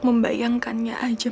emang kamu salah